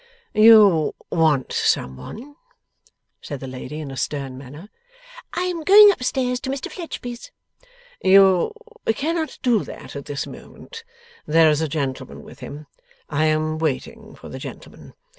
'You want some one?' said the lady in a stern manner. 'I am going up stairs to Mr Fledgeby's.' 'You cannot do that at this moment. There is a gentleman with him. I am waiting for the gentleman.